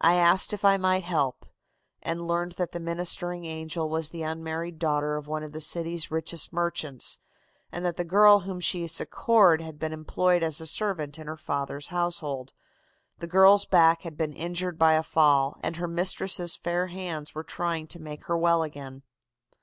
I asked if I might help, and learned that the ministering angel was the unmarried daughter of one of the city's richest merchants, and that the girl whom she succored had been employed as a servant in her father's household. The girl's back had been injured by a fall, and her mistress' fair hands were trying to make her well again.